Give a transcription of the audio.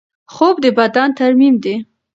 خوب د بدن ترمیم دی.